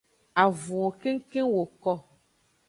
Avunwo kengkeng woko.